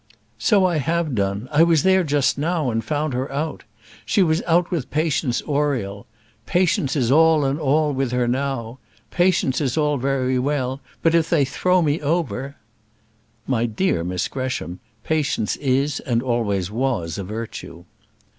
"So I have done. I was there just now, and found her out. She was out with Patience Oriel. Patience is all and all with her now. Patience is all very well, but if they throw me over " "My dear Miss Gresham, Patience is and always was a virtue."